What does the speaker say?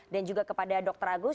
dan juga kepada dr agus